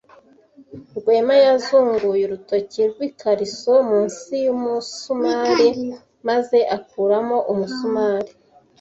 Rwema yazunguye urutoki rwikariso munsi yumusumari maze akuramo umusumari.